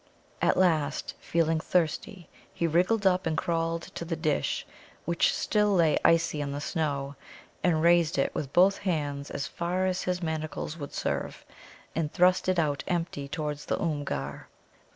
At last, feeling thirsty, he wriggled up and crawled to the dish, which still lay icy in the snow, and raised it with both hands as far as his manacles would serve, and thrust it out empty towards the Oomgar.